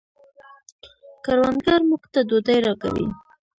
کروندګر موږ ته ډوډۍ راکوي